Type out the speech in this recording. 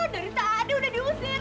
dari tadi udah diusir